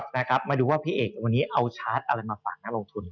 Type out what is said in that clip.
มาดูว่าพี่เอกวันนี้เอาชาร์จอะไรมาฝากนักลงทุน